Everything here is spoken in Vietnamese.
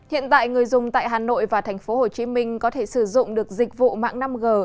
hiện tại người dùng tại hà nội và thành phố hồ chí minh có thể sử dụng được dịch vụ mạng năm g